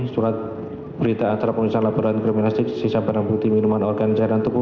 surat berita antara pengisian laboratorium kriminalistik sisa barang putih minuman organ cairan tuku